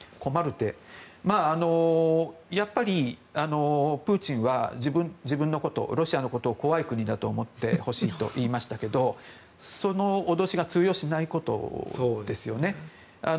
やっぱりプーチンは自分のこと、ロシアのことを怖い国だと思ってほしいと言いましたけどその脅しが通用しないことですよね。